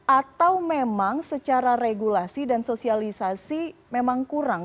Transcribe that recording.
atau memang secara regulasi dan sosialisasi memang kurang